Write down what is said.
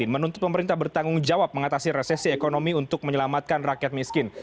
menuntut pemerintah bertanggung jawab mengatasi resesi ekonomi untuk menyelamatkan rakyat miskin